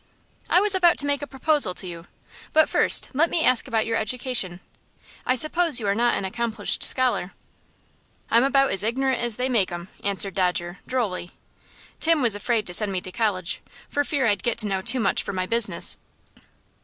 "I was about to make a proposal to you. But first let me ask you about your education. I suppose you are not an accomplished scholar?" "I'm about as ignorant as they make 'em," answered Dodger, drolly. "Tim was afraid to send me to college, for fear I'd get to know too much for my business."